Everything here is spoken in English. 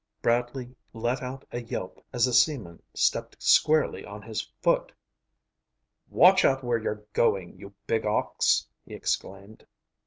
Bradley let out a yelp as the seaman stepped squarely on his foot. "Watch out where you're going, you big ox!" he exclaimed.